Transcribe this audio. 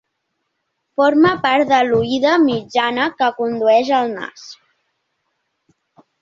Forma part de l'oïda mitjana, que condueix al nas.